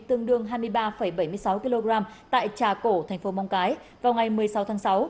tương đương hai mươi ba bảy mươi sáu kg tại trà cổ thành phố mong cái vào ngày một mươi sáu tháng sáu